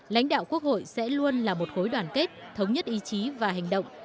lãnh đạo quốc hội sẽ luôn là một khối đoàn kết thống nhất ý chí và hành động